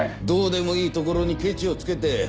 どうでもいいところにケチをつけて。